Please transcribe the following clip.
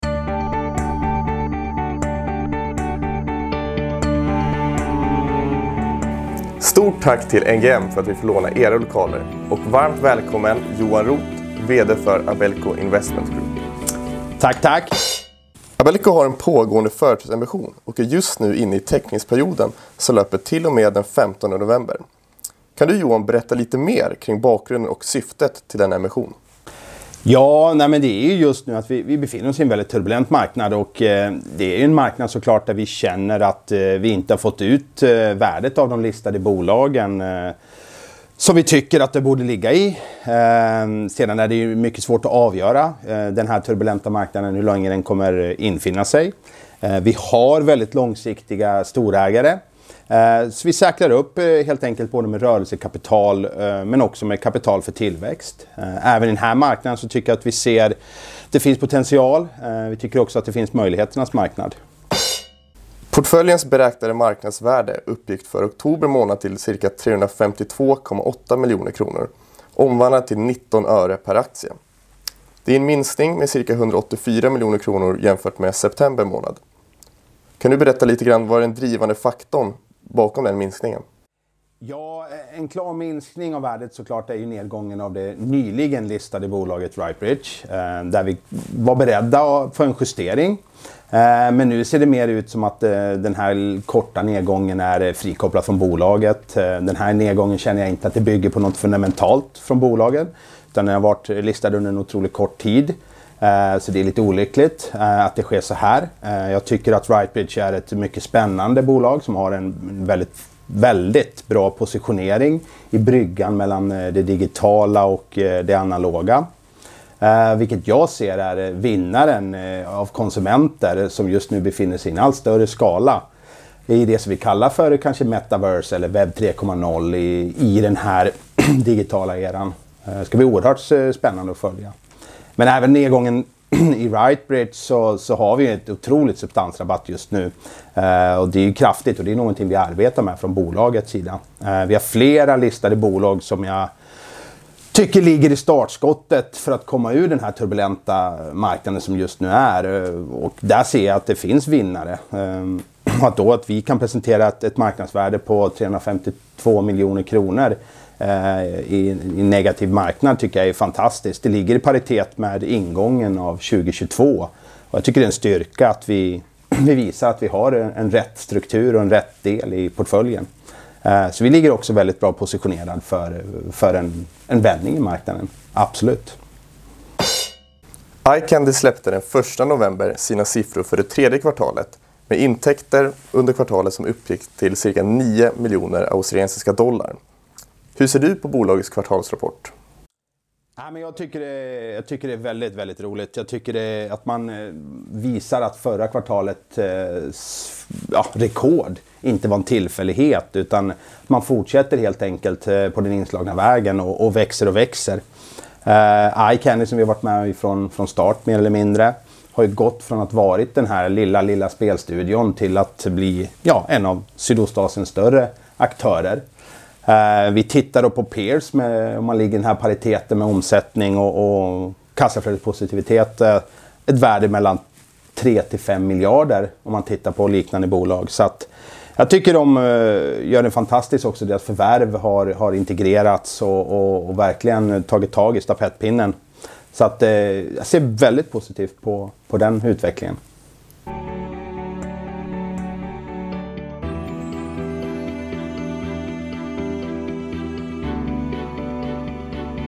Stort tack till NGM för att vi får låna era lokaler och varmt välkommen Johan Rooth, VD för Abelco Investment Group AB. Tack, tack. Abelco har en pågående företrädesemission och är just nu inne i teckningsperioden som löper till och med den femtonde november. Kan du Johan berätta lite mer kring bakgrunden och syftet till den emissionen? Ja, nej men det är ju just nu att vi befinner oss i en väldigt turbulent marknad och det är ju en marknad så klart där vi känner att vi inte har fått ut värdet av de listade bolagen som vi tycker att det borde ligga i. Sedan är det ju mycket svårt att avgöra den här turbulenta marknaden, hur länge den kommer infinna sig. Vi har väldigt långsiktiga storägare. Vi säkrar upp helt enkelt både med rörelsekapital men också med kapital för tillväxt. Även i den här marknaden så tycker jag att vi ser det finns potential. Vi tycker också att det finns möjligheternas marknad. Portföljens beräknade marknadsvärde uppgick för oktober månad till cirka 352.8 miljoner kronor, omvandlat till 0.19 per aktie. Det är en minskning med cirka 184 miljoner kronor jämfört med september månad. Kan du berätta lite grann vad den drivande faktorn bakom den minskningen? Ja, en klar minskning av värdet så klart är ju nedgången av det nyligen listade bolaget RightBridge. Där vi var beredda på en justering. Nu ser det mer ut som att den här korta nedgången är frikopplad från bolaget. Den här nedgången känner jag inte att det bygger på något fundamentalt från bolaget, utan den har varit listad under en otroligt kort tid. Det är lite olyckligt att det sker såhär. Jag tycker att RightBridge är ett mycket spännande bolag som har en väldigt bra positionering i bryggan mellan det digitala och det analoga. Vilket jag ser är vinnaren av konsumenter som just nu befinner sig i en allt större skala i det som vi kallar för kanske Metaverse eller Web 3.0 i den här digitala eran. Det ska bli oerhört spännande att följa. Även nedgången i RightBridge så har vi ett otroligt substansrabatt just nu. Det är ju kraftigt och det är någonting vi arbetar med från bolagets sida. Vi har flera listade bolag som jag tycker ligger i startskottet för att komma ur den här turbulenta marknaden som just nu är. Där ser jag att det finns vinnare. Vi kan presentera ett marknadsvärde på 352 million kronor i en negativ marknad tycker jag är fantastiskt. Det ligger i paritet med ingången av 2022. Jag tycker det är en styrka att vi visar att vi har en rätt struktur och en rätt del i portföljen. Vi ligger också väldigt bra positionerad för en vändning i marknaden. Absolut. iCandy släppte den första november sina siffror för det tredje kvartalet med intäkter under kvartalet som uppgick till cirka 9 miljoner australiensiska dollar. Hur ser du på bolagets kvartalsrapport? Nej, jag tycker det är väldigt roligt. Jag tycker att man visar att förra kvartalet rekord inte var en tillfällighet, utan man fortsätter helt enkelt på den inslagna vägen och växer. iCandy som vi har varit med från start mer eller mindre har ju gått från att varit den här lilla spelstudion till att bli en av Sydostasiens större aktörer. Vi tittar då på peers, om man ligger i den här pariteten med omsättning och kassaflödespositivitet. Ett värde mellan SEK 3-5 miljarder om man tittar på liknande bolag. Jag tycker de gör det fantastiskt också. Deras förvärv har integrerats och verkligen tagit tag i stafettpinnen. Jag ser väldigt positivt på den utvecklingen.